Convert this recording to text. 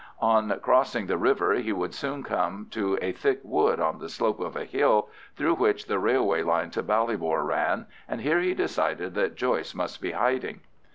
On crossing the river he would soon come to a thick wood on the slope of a hill, through which the railway line to Ballybor ran, and here he decided that Joyce must be hiding.